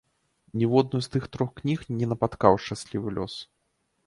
Ніводную з тых трох кніг не напаткаў шчаслівы лёс.